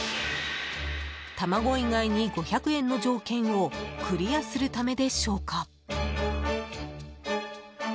卵以外に５００円の条件をクリアするためでしょうか。